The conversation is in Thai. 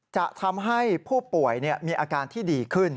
จะทำให้ผู้ป่วยมีอาการที่ดีขึ้น